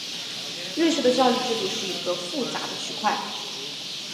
瑞士的教育制度是一个复杂的区块。